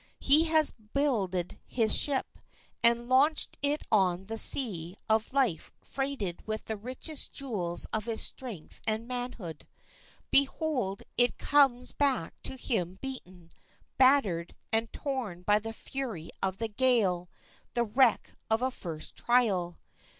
He has builded his ship, and launched it on the sea of life freighted with the richest jewels of his strength and manhood. Behold, it comes back to him beaten, battered, and torn by the fury of the gale—the wreck of a first trial.